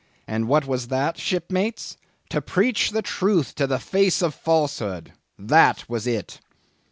And what was that, shipmates? To preach the Truth to the face of Falsehood! That was it!